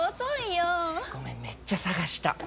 ごめんめっちゃ探した。